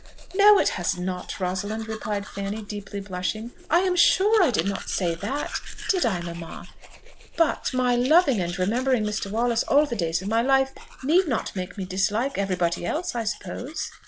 "No, it has not, Rosalind," replied Fanny, deeply blushing: "I am sure I did not say that, did I, mamma? But my loving and remembering Mr. Wallace all the days of my life need not make me dislike everybody else, I suppose?"